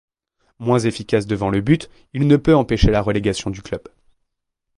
Moins efficace devant le but, il ne peut empêcher la relégation du club.